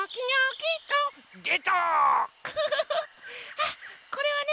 あこれはね